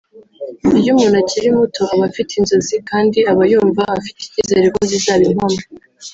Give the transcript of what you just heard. Iyo umuntu akiri muto aba afite inzozi kandi aba yumva afite ikizere ko zizaba impamo